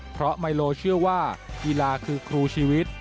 เพราะไมโลเชื่อว่ากีฬาคือครูชีวิต